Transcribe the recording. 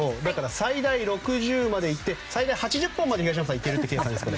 最大６０までいって最大８０本まで、東山さんいけるという計算です。